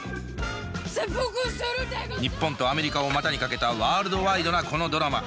日本とアメリカを股にかけたワールドワイドなこのドラマ。